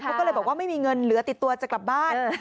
เขาก็เลยบอกว่าไม่มีเงินเหลือติดตัวจะกลับบ้าน